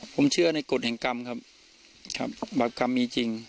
ผมเชื่อในกฎแห่งกรรมครับครับบาปกรรมมีจริง